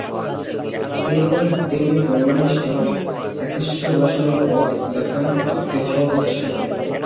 তিনি ব্রহ্মনিষ্ঠ একেশ্বর উপাসনার পথ দেখান আত্মীয় সভা প্রতিষ্ঠা করে।